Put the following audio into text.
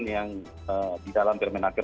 yang di dalam permenakir